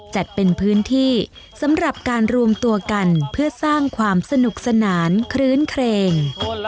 จัดเป็นพื้นที่สำหรับการรวมตัวกันเพื่อสร้างความสนุกสนานคลื้นเครง